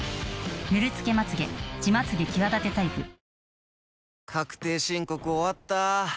Ｎｏ．１確定申告終わった。